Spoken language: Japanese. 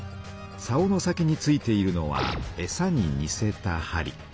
さおの先に付いているのはえさににせたはり。